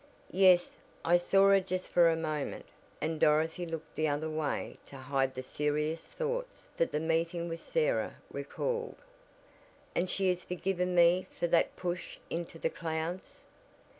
"Yes, I saw her just for a moment," and Dorothy looked the other way to hide the serious thoughts that the meeting with Sarah recalled. "And she has forgiven me for that push into the clouds?